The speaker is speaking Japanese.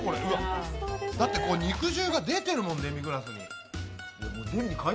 だって肉汁が出てるもん、デミグラスに。